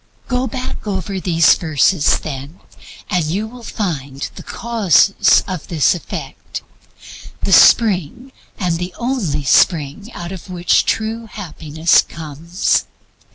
Go back over these verses, then, and you will find the Causes of this Effect, the spring, and the only spring, out of which true Happiness comes.